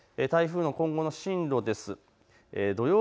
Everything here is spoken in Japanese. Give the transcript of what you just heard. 台風の今後の進路です。